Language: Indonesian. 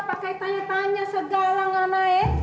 pakai tanya tanya segala ngana ya